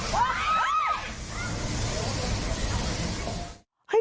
ไหมบ้าน